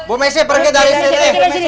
bu messi pergi dari sini